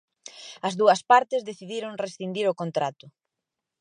As dúas partes decidiron rescindir o contrato.